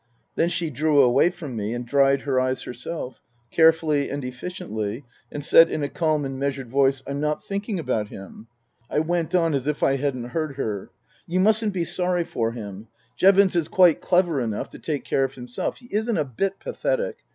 Then she drew away from me and dried her eyes her self, carefully and efficiently, and said in a calm and measured voice : "I'm not thinking about him." I went on as if I hadn't heard her :" You mustn't be sorry for him. Jevons is quite clever enough to take care of himself. He isn't a bit pathetic.